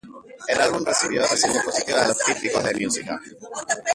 El álbum recibió reseñas positivas de los críticos de música.